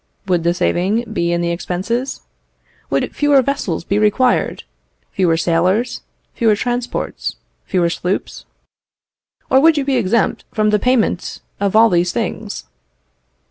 Would the saving be in the expenses? Would fewer vessels be required; fewer sailors, fewer transports, fewer sloops? or would you be exempt from the payment of all these things?